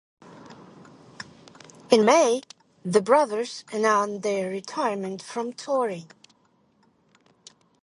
In May, the brothers announced their retirement from touring.